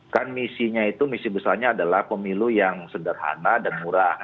kan misinya itu misi besarnya adalah pemilu yang sederhana dan murah